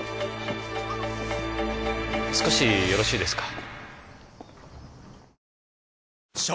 少しよろしいですか？